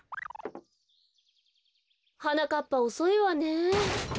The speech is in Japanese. はなかっぱおそいわねえ。